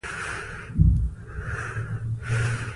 سانتیاګو له هرې تجربې درس اخلي.